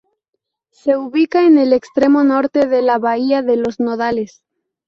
Se ubica en el extremo norte de la bahía de los Nodales.